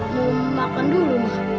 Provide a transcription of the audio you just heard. mau makan dulu ma